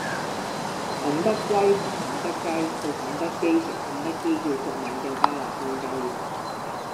肯德龜同肯德雞去肯德基食肯德基最出名嘅巴辣香雞